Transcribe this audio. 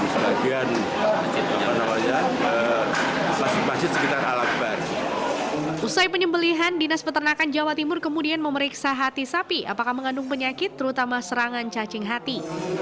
usai penyembelihan dinas peternakan jawa timur kemudian memeriksa hati sapi apakah mengandung penyakit terutama serangan cacing hati